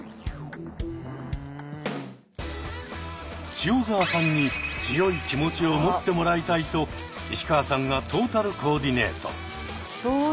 塩澤さんに強い気持ちを持ってもらいたいと石川さんがトータルコーディネート。